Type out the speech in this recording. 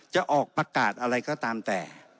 จะออกประกาศอะไรก็ตามแต่